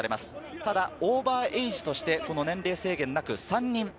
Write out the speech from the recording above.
ただ、オーバーエイジとして年齢制限なく３人。